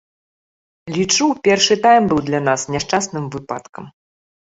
Лічу, першы тайм быў для нас няшчасным выпадкам.